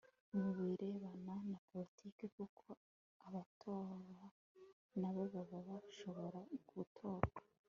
mu birebana na poritiki, kuko abatora na bo baba bashobora gutorwa